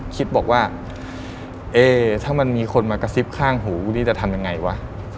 คิดบอกว่าเอ๊ถ้ามันมีคนมากระซิบข้างหูนี่จะทำยังไงวะ